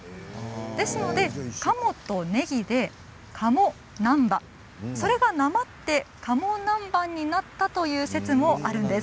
ですので鴨とねぎで鴨なんばそれがなまって鴨南蛮になったという説もあるんです。